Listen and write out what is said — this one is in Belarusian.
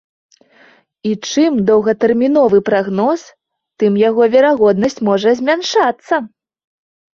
І чым доўгатэрміновы прагноз, тым яго верагоднасць можа змяншацца.